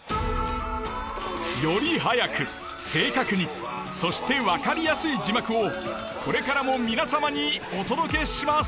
より速く正確にそして分かりやすい字幕をこれからも皆様にお届けします。